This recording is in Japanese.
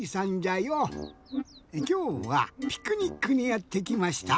きょうはピクニックにやってきました。